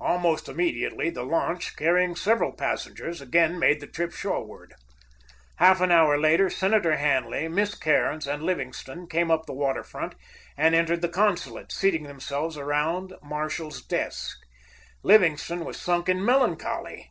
Almost immediately the launch, carrying several passengers, again made the trip shoreward. Half an hour later, Senator Hanley, Miss Cairns, and Livingstone came up the waterfront, and entering the consulate, seated themselves around Marshall's desk. Livingstone was sunk in melancholy.